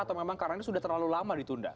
atau memang karangnya sudah terlalu lama ditunda